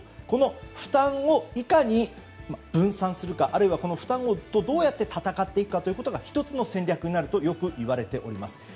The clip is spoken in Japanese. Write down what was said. この負担をいかに分散するかあるいは負担とどうやって戦っていくかが１つの戦略になるとよく言われています。